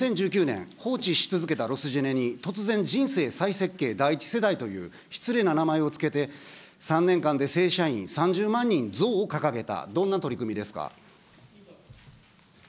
資料の１３、２０１９年、放置し続けたロスジェネに突然、人生再設計第一世代という失礼な名前を付けて、３年間で正社員３０万人増を掲げた。